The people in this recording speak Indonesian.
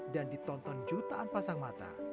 dan ditonton jutaan pasang mata